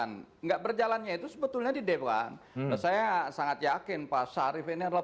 nggak berjalan nggak berjalannya itu sebetulnya di depan saya sangat yakin pak syarif ini adalah